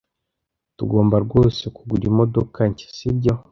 Tugomba rwose kugura imodoka nshya, sibyo?